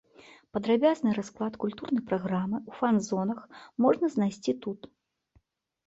Падрабязны расклад культурнай праграмы ў фан-зонах можна знайсці тут.